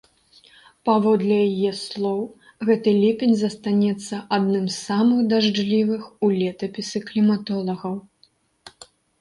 Паводле яе слоў, гэты ліпень застанецца адным з самых дажджлівых у летапісы кліматолагаў.